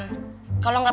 kalau gak pengaretan